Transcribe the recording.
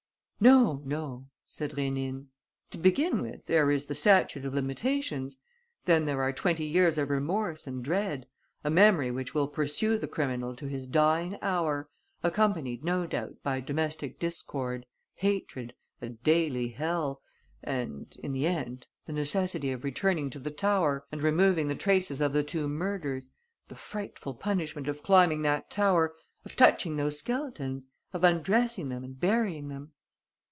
"No, no," said Rénine. "To begin with, there is the statute of limitations. Then there are twenty years of remorse and dread, a memory which will pursue the criminal to his dying hour, accompanied no doubt by domestic discord, hatred, a daily hell ... and, in the end, the necessity of returning to the tower and removing the traces of the two murders, the frightful punishment of climbing that tower, of touching those skeletons, of undressing them and burying them.